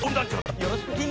よろしくね！